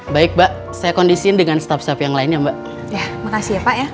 baik mbak saya kondisi dengan staf staff yang lainnya mbak ya makasih ya pak ya